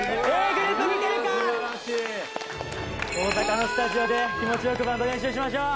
ｇｒｏｕｐ見てるか大阪のスタジオで気持ちよくバンド練習しましょう